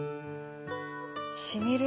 しみる。